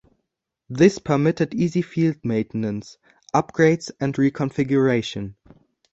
This permitted easy field maintenance, upgrades, and reconfiguration.